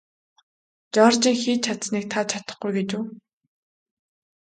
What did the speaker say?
Жоржийн хийж чадсаныг та чадахгүй гэж үү?